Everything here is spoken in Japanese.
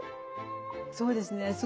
そうですね。